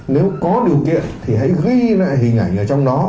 nếu có điều kiện thì hãy ghi lại hình ảnh ở trong đó